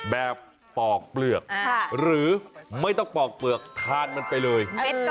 ปอกเปลือกหรือไม่ต้องปอกเปลือกทานมันไปเลย